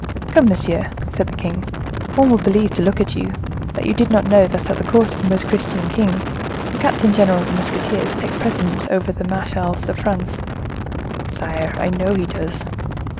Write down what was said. "Come, monsieur," said the king, "one would believe, to look at you, that you did not know that at the court of the most Christian king, the captain general of the musketeers takes precedence of the marechals of France." "Sire, I know he does."